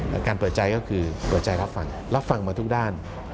แต่การเปิดใจก็คือเปิดใจรับฟังรับฟังมาทุกด้าน